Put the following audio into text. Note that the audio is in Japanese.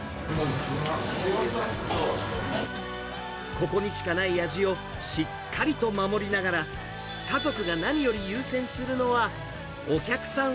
ここにしかない味をしっかりと守りながら、家族が何より優先するのは、お客さん